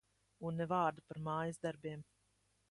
Un ne vārda par mājasdarbiem.